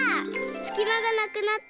すきまがなくなったよ！